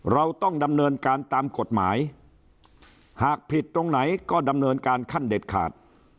เราต้องดำเนินการตามกฎหมายหากผิดตรงไหนก็ดำเนินการขั้นเด็ดขาด